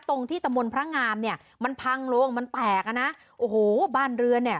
ตรงที่ตะมนต์พระงามเนี่ยมันพังลงมันแตกอ่ะนะโอ้โหบ้านเรือนเนี่ย